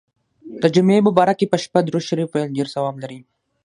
د جمعې مبارڪي په شپه درود شریف ویل ډیر ثواب لري.